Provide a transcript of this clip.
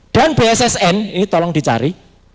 bssn ini tolong dicari